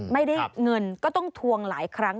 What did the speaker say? ไม่ได้เงินก็ต้องทวงหลายครั้ง